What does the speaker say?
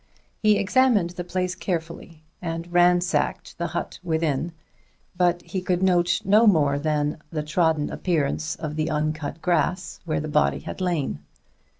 He examined the place carefully, and ransacked the hut within, but he could note no more than the trodden appearance of the uncut grass where the body had lain.